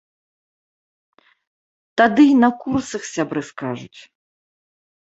Тады й на курсах сябры скажуць.